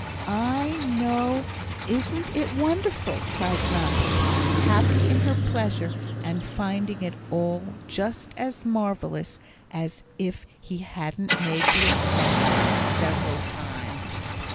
"I know isn't it wonderful!" cried Grandpapa, happy in her pleasure, and finding it all just as marvellous as if he hadn't made the ascent several times.